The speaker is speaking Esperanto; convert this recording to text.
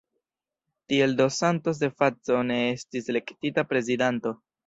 Tiel dos Santos de facto ne estis elektita prezidanto.